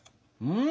うん！